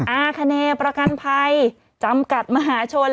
อาคเนประกันภัยจำกัดมหาชน